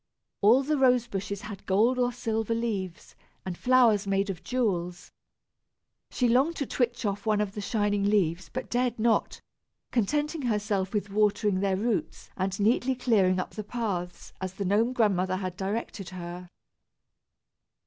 All the rose bushes had gold or silver leaves, and flowers made of jewels. She longed to twitch off one of the shining leaves, but dared not, contenting herself with watering their roots and neatly clearing up the paths, as the Gnome Grandmother had directed her.